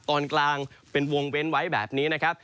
ตอนกลางเป็นวงเว้นไว้แบบนี้นะครับ